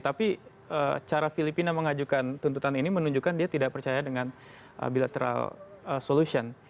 tapi cara filipina mengajukan tuntutan ini menunjukkan dia tidak percaya dengan bilateral solution